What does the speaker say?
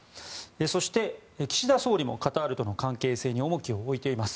そして、岸田総理もカタールとの関係性に重きを置いています。